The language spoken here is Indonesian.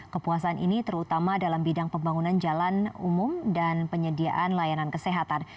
kepuasan ini terutama dalam bidang pembangunan jalan umum dan penyediaan layanan kesehatan